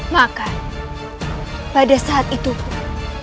maka pada saat itu pun